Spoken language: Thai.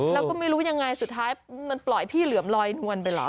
แล้วก็ไม่รู้ยังไงสุดท้ายมันปล่อยพี่เหลือมลอยนวลไปเหรอ